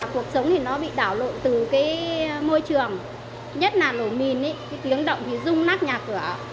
cuộc sống bị đảo lộn từ môi trường nhất là nổ mìn tiếng động rung nát nhà cửa